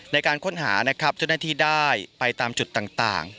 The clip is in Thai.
ในการค้นหานะครับเจ้าหน้าที่ได้ไปตามจุดต่าง